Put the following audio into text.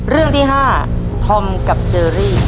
เรื่องที่๕ธอมกับเจอรี่